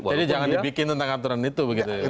jadi jangan dibikin tentang aturan itu